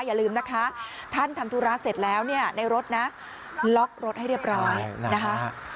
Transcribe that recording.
อย่าลืมนะคะท่านทำธุระเสร็จแล้วเนี่ยในรถนะล็อกรถให้เรียบร้อยนะคะ